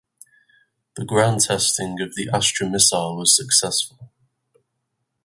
The ground testing of the Astra missile was successful.